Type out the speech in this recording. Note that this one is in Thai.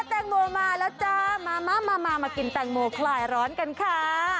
แตงโมมาแล้วจ้ามามากินแตงโมคลายร้อนกันค่ะ